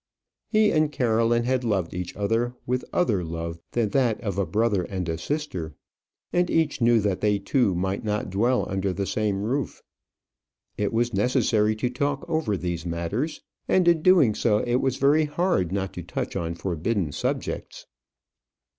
He and Caroline had loved each other with other love than that of a brother and a sister; and each knew that they two might not dwell under the same roof. It was necessary to talk over these matters, and in doing so it was very hard not to touch on forbidden subjects.